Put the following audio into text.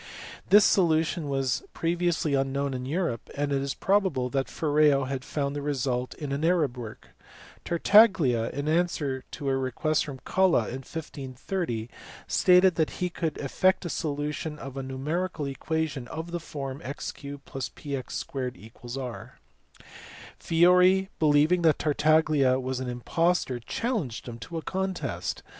This solu tion was previously unknown in Europe, and it is probable that Ferreo had found the result in an Arab work. Tartaglia, in answer to a request from Colla in 1530, stated that he could effect the solution of a numerical equation of the form x 3 +px*=r. Fiori believing that Tartaglia was an impostor challenged him to a contest.